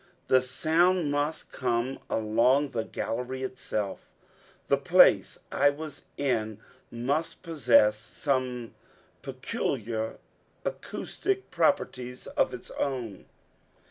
The sound must come along the gallery itself. The place I was in must possess some peculiar acoustic properties of its own."